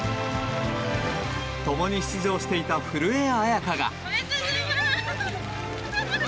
共に出場していた古江彩佳が。